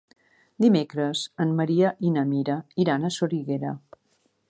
Dimecres en Maria i na Mira iran a Soriguera.